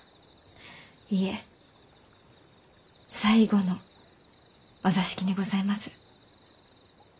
いえ最後のお座敷にございます。